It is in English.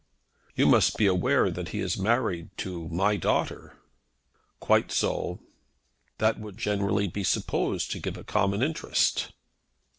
"You must be aware that he is married to my daughter." "Quite so." "That would, generally, be supposed to give a common interest."